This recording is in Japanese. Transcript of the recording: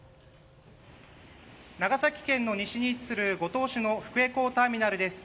長崎県の西に位置する五島市の福江港ターミナルです。